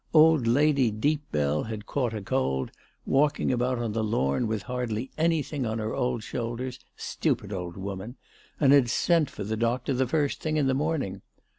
Old Lady Deepbell had caught a cold, walking about on the lawn with hardly anything on her old shoulders, stupid old woman, and had sent for the doctor the first thing in the morning.